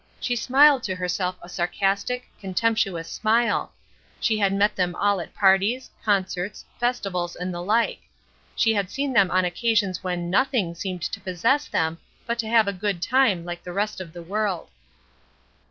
She smiled to herself a sarcastic, contemptuous smile; she had met them all at parties, concerts, festivals, and the like; she had seen them on occasions when nothing seemed to possess them but to have a good time like the rest of the world.